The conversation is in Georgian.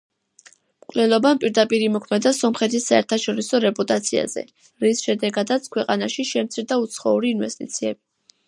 მკვლელობამ პირდაპირ იმოქმედა სომხეთის საერთაშორისო რეპუტაციაზე, რის შედეგადაც ქვეყანაში შემცირდა უცხოური ინვესტიციები.